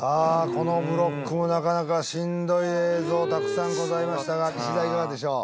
このブロックもなかなかしんどい映像たくさんございましたが石田いかがでしょう？